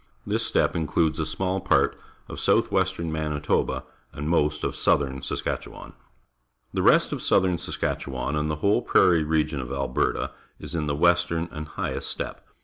Tliis steppe includes a small part of south western Manitoba and most of south ern Saskatchewan. THE PRAIRIE PRO^'IXCES 105 The rest of southern Saskatchewan and i±ie whole prairie regi on of Alberta is in the w estern anj hig hest step pe.